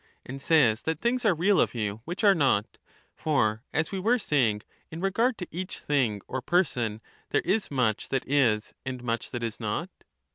And says that things are real of you which are not ; for, as we were sa3ring, in regard to each thing or person, there is much that is and much that is not.